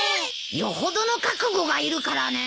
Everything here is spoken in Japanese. よほどの覚悟がいるからね。